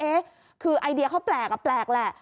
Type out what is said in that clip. เอ๊ะคือไอเดียเขาแปลกแปลกแหละ